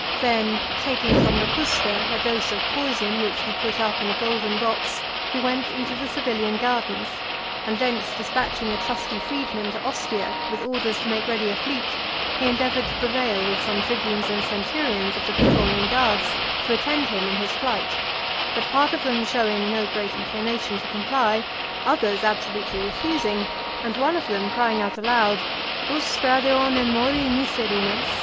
Then taking from Locusta a dose of poison, which he put up in a golden box, he went into the Servilian gardens, and thence dispatching a trusty freedman to Ostia, with orders to make ready a fleet, he endeavoured to prevail with some tribunes and centurions of the pretorian guards to attend him in his flight; but part of them showing no great inclination to comply, others absolutely refusing, and one of them crying out aloud, Usque adeone mori miserum est?